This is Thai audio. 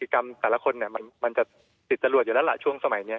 กรรมแต่ละคนมันจะติดจรวดอยู่แล้วล่ะช่วงสมัยนี้